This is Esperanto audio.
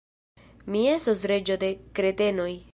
Mi estos reĝo de kretenoj!